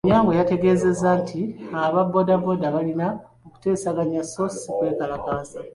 Onyango yategeezezza nti aba boda boda balina kuteeseganya so si sikwekalakaasa.